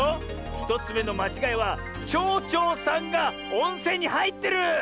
１つめのまちがいはちょうちょうさんがおんせんにはいってる！